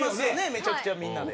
めちゃくちゃみんなで。